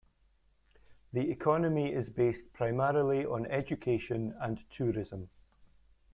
The economy is based primarily on education and tourism.